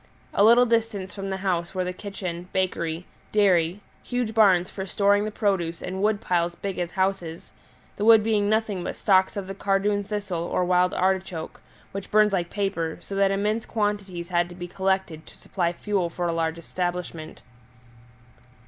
A little distance from the house were the kitchen, bakery, dairy, huge barns for storing the produce, and wood piles big as houses, the wood being nothing but stalks of the cardoon thistle or wild artichoke, which burns like paper, so that immense quantities had to be collected to supply fuel for a large establishment.